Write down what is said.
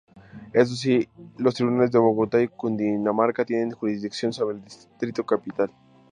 Eso si, los tribunales de Bogotá y Cundinamarca tienen jurisdicción sobre el Distrito Capital.